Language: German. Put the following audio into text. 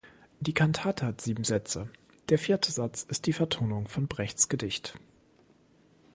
Die Kantate hat sieben Sätze, der vierte Satz ist die Vertonung von Brechts Gedicht.